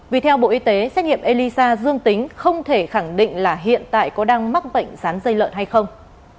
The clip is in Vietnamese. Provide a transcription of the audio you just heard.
vì theo bộ y tế xét nghiệm elisa dương tính không thể khẳng định là hiện tại có đang mắc bệnh sán dây lợn hay không